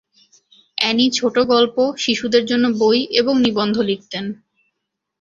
Annie ছোট গল্প, শিশুদের জন্য বই, এবং নিবন্ধ লিখতেন।